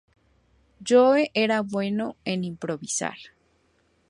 Joe era bueno en improvisar.